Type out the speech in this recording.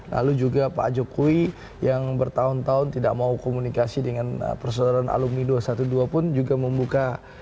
lalu juga pak jokowi yang bertahun tahun tidak mau komunikasi dengan persaudaraan alumni dua ratus dua belas pun juga membuka